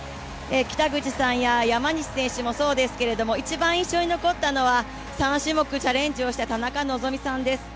北口さんや山西選手もそうですけれども、一番印象に残ったのは、３種目チャレンジした田中希実さんです。